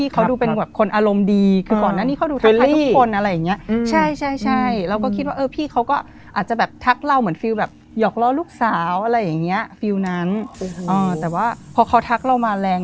คือนั้นอือแต่ว่าพอเขาทักเรามาแรง